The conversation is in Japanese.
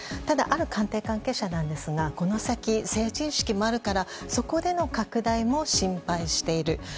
ただ、ある官邸関係者なんですがこの先、成人式もあるからそこでの拡大も心配している。